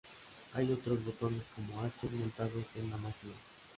Hay otros botones como 'H', montados en la máquina.